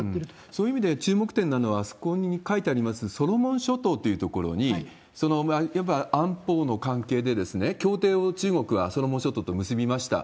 そういう意味で、注目点なのはそこに書いてあります、ソロモン諸島っていう所に、やっぱり安保の関係で、協定を中国はソロモン諸島と結びました。